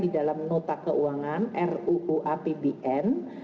di dalam nota keuangan ruu apbn